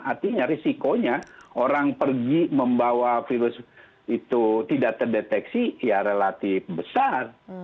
artinya risikonya orang pergi membawa virus itu tidak terdeteksi ya relatif besar